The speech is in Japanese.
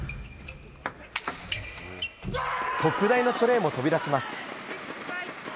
特大のチョレイも飛び出します。